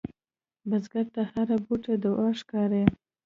بزګر ته هره بوټۍ دعا ښکاري